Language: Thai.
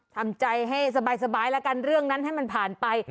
ทำใจให้สบายแล้วกันเรื่องนั้นให้มันผ่านไป